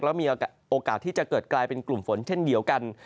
แล้วมีโอกาสที่จะเกิดกลายเป็นกลุ่มฝนเช่นเดียวกัน